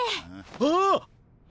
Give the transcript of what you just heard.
あっ！